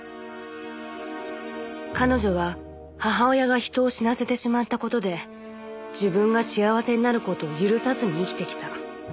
「彼女は母親が人を死なせてしまった事で自分が幸せになる事を許さずに生きてきた」